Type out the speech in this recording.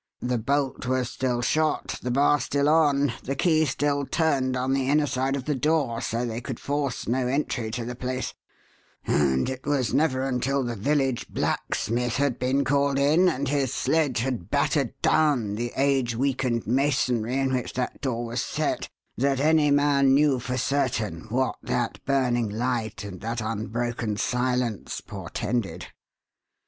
The bolt was still 'shot,' the bar still on, the key still turned on the inner side of the door, so they could force no entry to the place; and it was never until the village blacksmith had been called in and his sledge had battered down the age weakened masonry in which that door was set that any man knew for certain what that burning light and that unbroken silence portended.